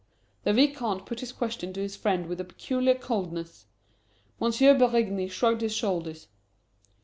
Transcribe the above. The Vicomte put this question to his friend with a peculiar coldness. M. Berigny shrugged his shoulders.